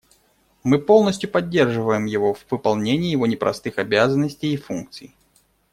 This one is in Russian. Мы полностью поддерживаем его в выполнении его непростых обязанностей и функций.